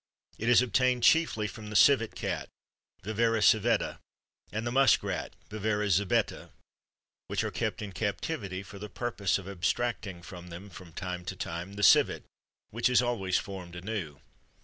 It is obtained chiefly from the civet cat (Viverra Civetta) and the musk rat (Viverra Zibetha) which are kept in captivity for the purpose of abstracting from them from time to time the civet which is always formed anew.